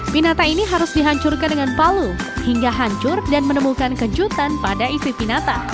pinata ini harus dihancurkan dengan palu hingga hancur dan menemukan kejutan pada isi pinata